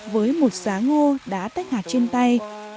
với một xá ngô đã tách hạt trên tay